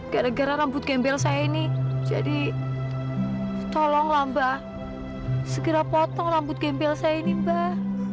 gara gara rambut gembel saya ini jadi tolonglah mbah segera potong rambut gempil saya ini mbah